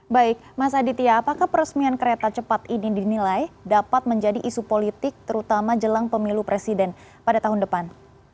baik mas aditya apakah peresmian kereta cepat ini dinilai dapat menjadi isu politik terutama jelang pemilu presiden pada tahun depan